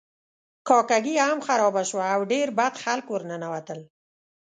کاکه ګي هم خرابه شوه او ډیر بد خلک ورننوتل.